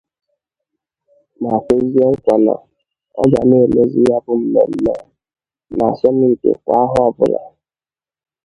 ma kwezie nkwà na ọ ga na-emezị ya bụ mmemme na asọmpi kwà ahọ ọbụla